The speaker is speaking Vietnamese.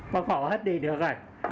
bắt hồ hết đi được rồi